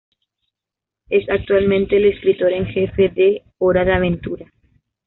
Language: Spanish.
Es actualmente el escritor en jefe de Hora de Aventura.